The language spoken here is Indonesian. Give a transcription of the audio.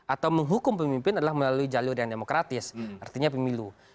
atau menghukum pemimpin adalah melalui jalur yang demokratis artinya pemilu